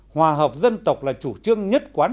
hòa hợp dân tộc là chủ trương nhất quán